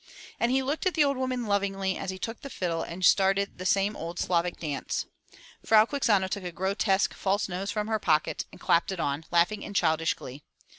*' And he looked at the old woman lovingly as he took the fiddle and started the same old Slavic dance. Frau Quixano took a grotesque false nose from her pocket and clapped it on, laughing in childish glee.